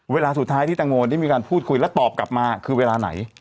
เวลาสุดท้ายที่แตงโมได้มีการพูดคุยและตอบกลับมาคือเวลาไหน